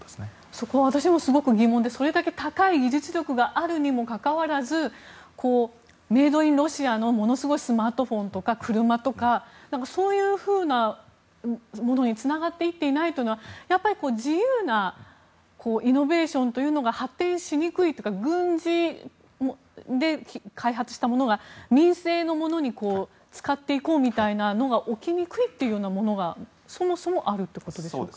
そこは私もすごく疑問でそれだけ高い技術力があるにもかかわらずメイドインロシアのスマートフォンとか車とか、そういうふうなものにつながっていないというのは自由なイノベーションというのが発展しにくいというか軍事で開発したものが民生のものに使っていこうみたいなのが起きにくいというものがそもそもあるということですか？